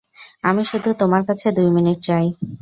আমি শুধু তোমার কাছে দুই মিনিট চাই।